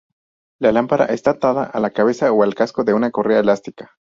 La lámpara está atada a la cabeza o al casco con una correa elástica.